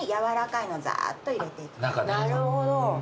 なるほど。